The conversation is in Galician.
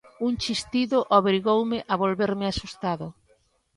Un chistido obrigoume a volverme asustado.